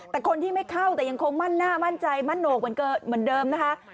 แต่คนที่ไม่เข้าแต่ยังคงมั่นหน้ามั่นใจมั่นโหนกเหมือนเดิมนะคะ